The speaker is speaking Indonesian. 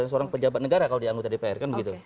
seorang pejabat negara kalau dianggota di pr kan begitu